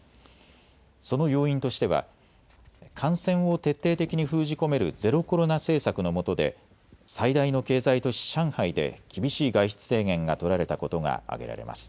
その要因としては感染を徹底的に封じ込めるゼロコロナ政策のもとで最大の経済都市、上海で厳しい外出制限が取られたことが挙げられます。